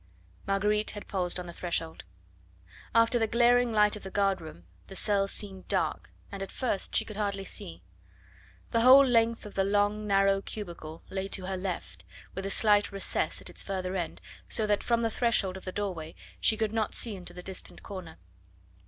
Marguerite had paused on the threshold. After the glaring light of the guard room the cell seemed dark, and at first she could hardly see. The whole length of the long, narrow cubicle lay to her left, with a slight recess at its further end, so that from the threshold of the doorway she could not see into the distant corner.